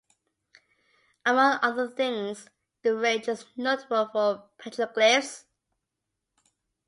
Among other things, the range is notable for petroglyphs.